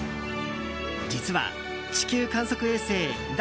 実は地球観測衛星「だ